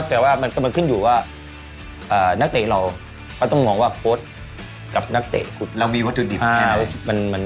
เรามีวัตถือดิบแค่ไหมสิ